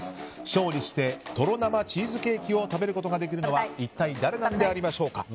勝利してとろ生チーズケーキを食べることができるのは一体誰なんでしょうか。